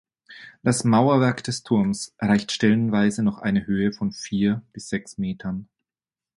Das Mauerwerk des Turms erreicht stellenweise noch eine Höhe von vier bis sechs Metern.